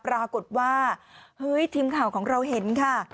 ปรากฏว่าเฮ้ยทีมข่าวของเราเห็นค่ะ